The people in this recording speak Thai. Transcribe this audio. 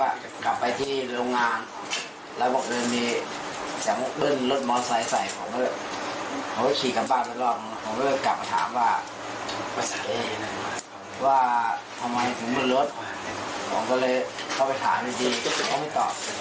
ว่าทำไมเสียงรถผมก็เลยเข้าไปถามหน่อยก็เขาไม่ตอบ